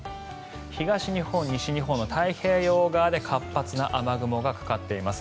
東日本、西日本の太平洋側で活発な雨雲がかかっています。